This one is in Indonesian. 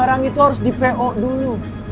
barang itu harus di po dulu